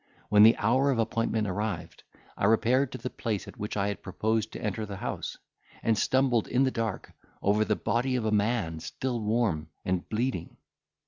When the hour of appointment arrived, I repaired to the place at which I had proposed to enter the house, and stumbled, in the dark, over the body of a man still warm, and bleeding.